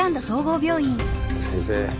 先生！